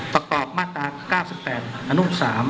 ประกอบมาตรา๙๘อนุ๓